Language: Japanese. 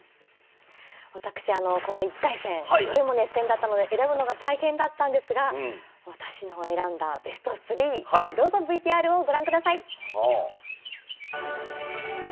私あのこの１回戦どれも熱戦だったので選ぶのが大変だったんですが私の選んだベスト３どうぞＶＴＲをご覧ください。